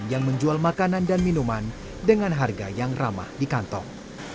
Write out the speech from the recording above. yang menjual makanan dan minuman dengan harga yang ramah di kantong